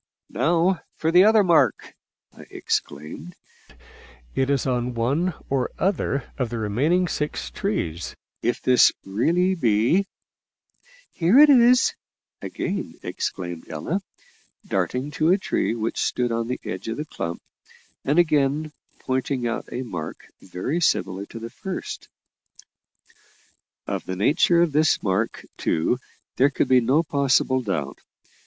"Now for the other mark," I exclaimed; "it is on one or other of the remaining six trees, if this really be " "Here it is," again exclaimed Ella, darting to a tree which stood on the edge of the clump, and again pointing out a mark very similar to the first. Of the nature of this mark, too, there could be no possible doubt.